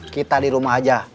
kita di rumah aja